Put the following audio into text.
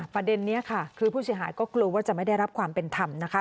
ประเด็นนี้ค่ะคือผู้เสียหายก็กลัวว่าจะไม่ได้รับความเป็นธรรมนะคะ